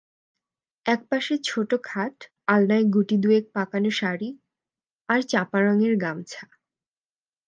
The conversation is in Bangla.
এক পাশে ছোটো খাট, আলনায় গুটি-দুয়েক পাকানো শাড়ি আর চাঁপা-রঙের গামছা।